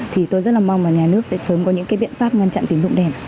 thì tôi rất là mong là nhà nước sẽ sớm có những cái biện pháp ngăn chặn tín dụng đen